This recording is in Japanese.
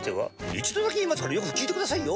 一度だけ言いますからよく聞いてくださいよ。